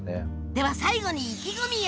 では最後に意気込みを！